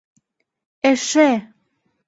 Эше!..